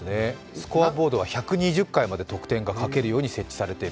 スコアボードは１２０回まで得点が書けるように設置されている。